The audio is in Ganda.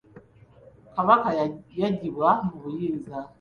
Kabaka yaggibwa mu buyinza.